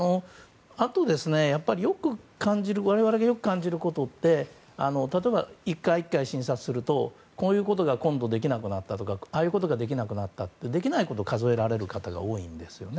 よく我々が感じることって例えば、１回１回診察するとこういうことが今度、できなくなったとかああいうことができなくなったってできなくなったことを数えられる方が多いんですね。